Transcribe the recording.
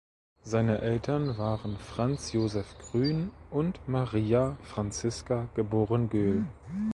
Seine Eltern waren Franz Joseph Grün und Maria "Franziska" geboren Göhl.